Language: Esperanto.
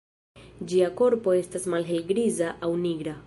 Ĝia korpo estas malhelgriza aŭ nigra.